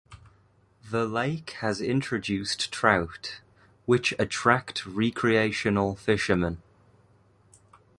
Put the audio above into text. The lake has introduced trout, which attract recreational fishermen.